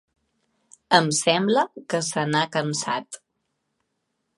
Em sembla que se n'ha cansat.